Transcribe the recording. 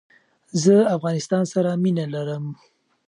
زه افغانستان سر مینه لرم